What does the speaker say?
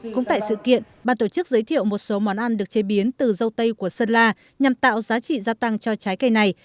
cũng tại sự kiện ban tổ chức giới thiệu một số món ăn được chế biến từ dâu tây của sơn la nhằm tạo giá trị gia tăng cho trái cây này